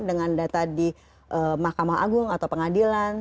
dengan data di mahkamah agung atau pengadilan